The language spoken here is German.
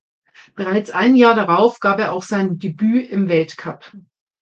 Bereits ein Jahr darauf gab er auch sein Debüt im Weltcup.